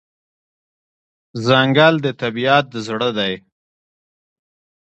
ځنګل د طبیعت زړه دی.